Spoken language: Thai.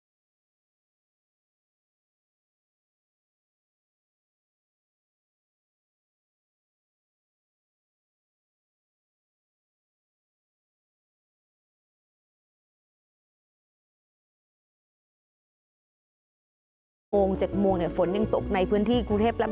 โดยการติดต่อไปก็จะเกิดขึ้นการติดต่อไป